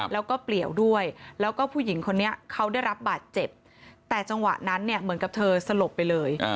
แล้วก็เปลี่ยวด้วยแล้วก็ผู้หญิงคนนี้เขาได้รับบาดเจ็บแต่จังหวะนั้นเนี่ยเหมือนกับเธอสลบไปเลย